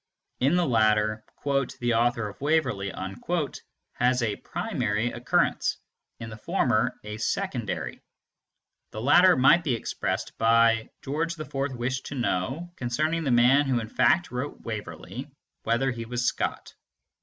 In the latter, "the author of Waverley" has a primary occurrence; in the former, a secondary. The latter might be expressed by "George IV wished to know, concerning the man who in fact wrote Waverley, whether he was Scott."